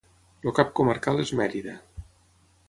El cap comarcal és Mèrida.